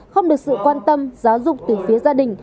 không được sự quan tâm giáo dục từ phía gia đình